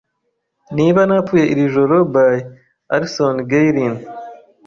Niba Napfuye Iri joro by Alison Gaylin